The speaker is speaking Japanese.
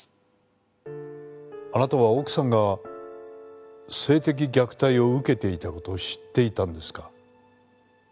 あなたは奥さんが性的虐待を受けていた事を知っていたんですか？